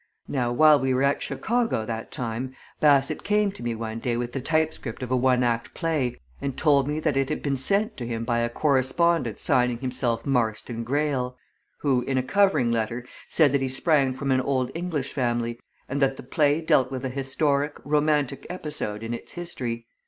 "Now, while we were at Chicago that time, Bassett came to me one day with the typescript of a one act play and told me that it had been sent to him by a correspondent signing himself Marston Greyle; who in a covering letter, said that he sprang from an old English family, and that the play dealt with a historic, romantic episode in its history.